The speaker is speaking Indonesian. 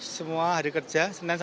semua hari kerja